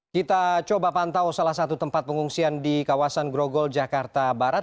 kita coba pantau salah satu tempat pengungsian di kawasan grogol jakarta barat